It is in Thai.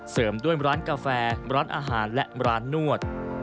เสริมด้วยร้านกาแฟร้านอาหารและร้านนวด